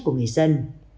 của các nhà chức trách